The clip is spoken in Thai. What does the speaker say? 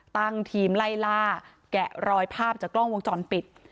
ตั้งทีมไล่ล่าแกะรอยภาพจากกล้องวงจรปิด